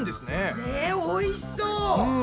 ねおいしそう！